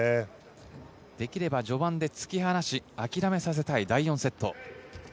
できれば序盤で突き放し諦めさせたい第４セット。